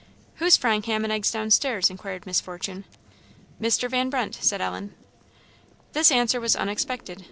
"Who's frying ham and eggs downstairs?" inquired Miss Fortune. "Mr. Van Brunt," said Ellen. This answer was unexpected.